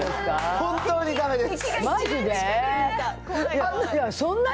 本当にだめです。